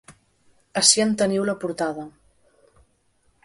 Ací en teniu la portada.